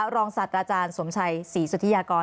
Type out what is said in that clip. รองศัตริย์อาจารย์สวมชัยศรีสุธิยากร